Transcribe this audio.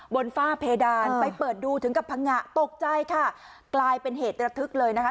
ฝ้าเพดานไปเปิดดูถึงกับพังงะตกใจค่ะกลายเป็นเหตุระทึกเลยนะคะ